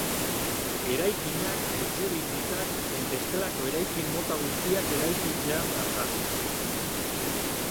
Eraikinak, etxebizitzak zein bestelako eraikin mota guztiak eraikitzean datza.